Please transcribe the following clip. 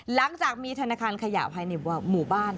หลังจากมีธนาคารขยะภายในหมู่บ้าน